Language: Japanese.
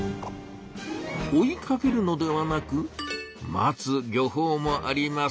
追いかけるのではなく待つ漁法もあります。